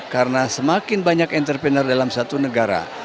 karena semakin banyak entrepreneur dalam satu negara